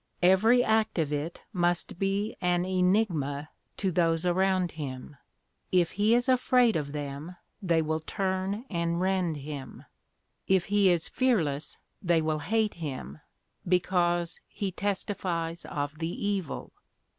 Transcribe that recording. Every act of it must be an enigma to those around him. If he is afraid of them, they will turn and rend him; if he is fearless, they will hate him, because 'he testifies of the evil.'